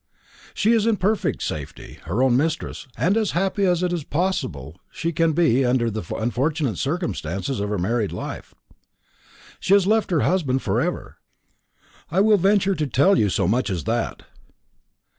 "She is in perfect safety her own mistress and as happy as it is possible she can be under the unfortunate circumstances of her married life. She has left her husband for ever; I will venture to tell you so much as that."